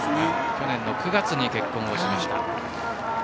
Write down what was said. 去年９月結婚をしました。